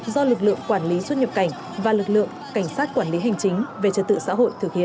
do lực lượng quản lý xuất nhập cảnh và lực lượng cảnh sát quản lý hành chính về trật tự xã hội thực hiện